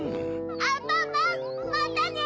アンパンマンまたね！